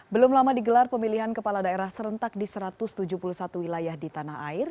belum lama digelar pemilihan kepala daerah serentak di satu ratus tujuh puluh satu wilayah di tanah air